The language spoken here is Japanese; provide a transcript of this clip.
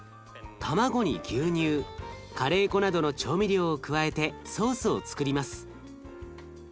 卵に牛乳カレー粉などの調理料を加えてソースをつくります。